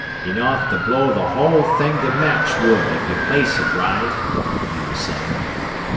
"... enough to blow the whole thing to matchwood, if you place it right," he was saying.